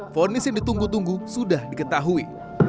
fonis yang ditunggu tunggu sudah diketahui